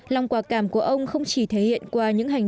lòng quả cảm của ông không chỉ thể hiện qua những hành